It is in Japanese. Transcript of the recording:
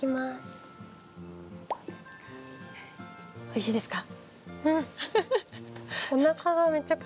おいしいですか。